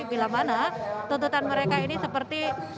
bila mana tuntutan mereka ini seperti